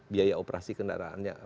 biaya operasi kendaraannya